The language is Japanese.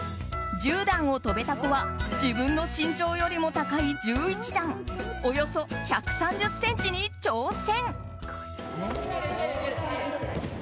１０段を跳べた子は自分の身長よりも高い１１段、およそ１３０ｃｍに挑戦。